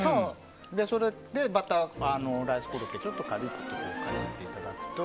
それでライスコロッケをちょっとかじっていただくと。